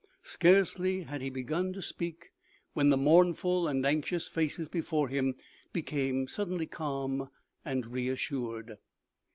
Scarcely had he begun to speak OMEGA. 43 when the mournful and anxious faces before him became suddenly calm and reassured.